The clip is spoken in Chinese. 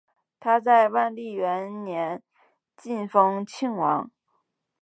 他在万历元年晋封庆王。